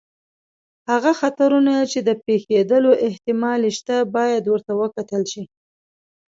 هغه خطرونه چې د پېښېدلو احتمال یې شته، باید ورته وکتل شي.